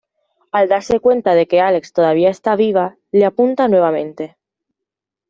Al darse cuenta de que Alex todavía está viva, le apunta nuevamente.